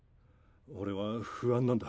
俺は不安なんだ。